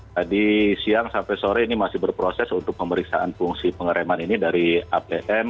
tadi siang sampai sore ini masih berproses untuk pemeriksaan fungsi pengereman ini dari apm